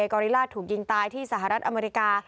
กอริล่าถูกยิงตายที่สหรัฐอเมริกา